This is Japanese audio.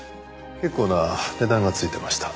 結構な値段がついてました。